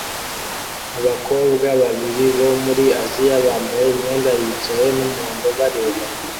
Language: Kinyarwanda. Abakobwa babiri bo muri Aziya bambaye imyenda yicyatsi n'umuhondo bareba